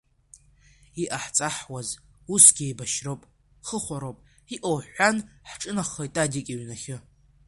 Иҟаҳҵахуаз, усгьы еибашьроуп, хыхәароуп иҟоу ҳҳәан, ҳҿынаҳхеит Адик иҩнахьы.